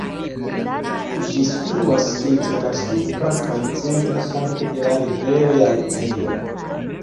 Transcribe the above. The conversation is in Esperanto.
Ĝi situas inter la supra kaj centra parto de la rivero Jangzio.